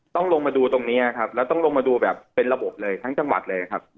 ต้องลงมาดูตรงนี้ครับแล้วต้องลงมาดูแบบเป็นระบบเลยทั้งจังหวัดเลยครับ